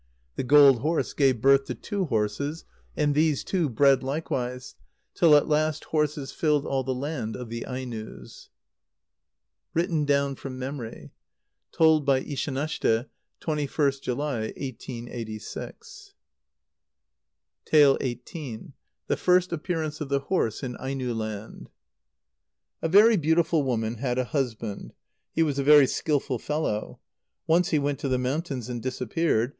The gold horse gave birth to two horses, and these two bred likewise, till at last horses filled all the land of the Ainos. (Written down from memory. Told by Ishanashte, 21st July, 1886.) xviii. The First Appearance of the Horse in Aino land. A very beautiful woman had a husband. He was a very skilful fellow. Once he went to the mountains, and disappeared.